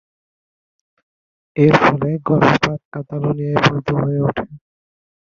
এর ফলে গর্ভপাত কাতালোনিয়ায় বৈধ হয়ে ওঠে।